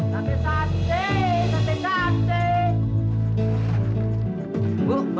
sampai saatnya sampai saatnya